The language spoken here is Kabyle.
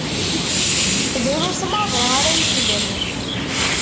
Drus maḍi ara yeslen.